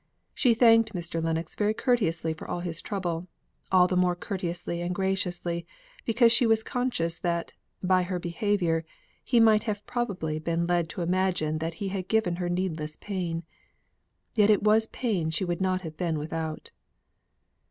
She thanked Mr. Lennox very courteously for his trouble; all the more courteously and graciously because she was conscious that, by her behaviour, he might probably be led to imagine that he had given her needless pain. Yet it was pain she would not have been without.